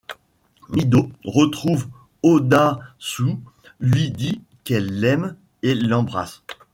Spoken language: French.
Mi-do retrouve Oh-Dae su, lui dit qu'elle l'aime et l'embrasse.